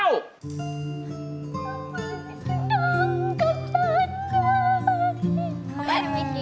ความดีใจ